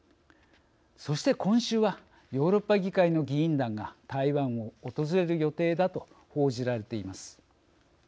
そして今週はヨーロッパ議会の議員団が台湾を訪れる予定だと報じられています。